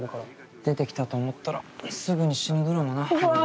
出てきたと思ったらすぐに死ぬドラマな俺が。